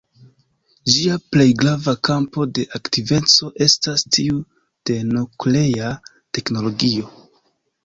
Ĝia plej grava kampo de aktiveco estas tiu de nuklea teknologio.